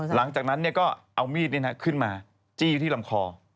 หลังจากนั้นก็เอามีดขึ้นมาจี้ที่ลำคอ